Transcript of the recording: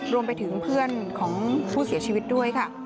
รวมไปถึงเพื่อนของผู้เสียชีวิตด้วยค่ะ